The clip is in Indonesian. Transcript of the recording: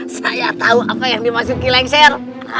saya tau apa yang dimasuk kilengser